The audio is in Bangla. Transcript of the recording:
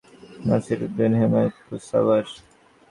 নাসির উদ্দিন হেমায়েতপুর, সাভার।